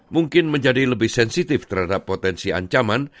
mungkin menjadi lebih sensitif terhadap potensi ancaman